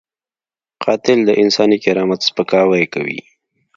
قاتل د انساني کرامت سپکاوی کوي